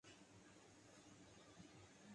Belarus